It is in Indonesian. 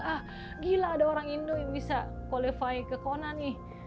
ah gila ada orang indo yang bisa qualify ke konan nih